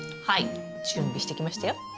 はい準備してきましたよ。